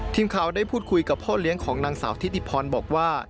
ทีมข่าวได้พูดคุยกับพ่อเลี้ยงของนางสาวทิติพรบอกว่า